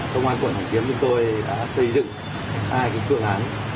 công an quận hoàn kiếm chúng tôi đã xây dựng hai phương án